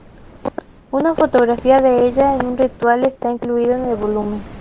Una fotografía de ella en un ritual está incluido en el volumen.